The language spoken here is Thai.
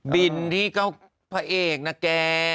บินที่ก็พระเอกนะแก